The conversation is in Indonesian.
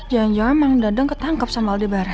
jangan jangan mengedadang ketangkep sama aldebaran